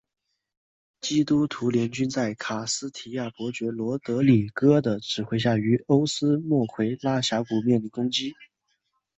基督徒联军在卡斯提亚伯爵罗德里哥的指挥下于欧斯莫奎拉峡谷面临攻击。